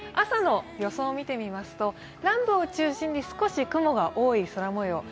朝の予想を見てみますと、南部を中心に少し雲が多い空模様。